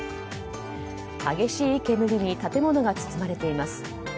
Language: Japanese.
激しい煙に建物が包まれています。